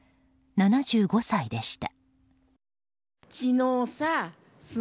７５歳でした。